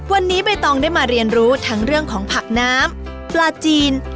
วันนี้ใบตองได้มาเรียนรู้ทั้งเรื่องของผักน้ำปลาจีน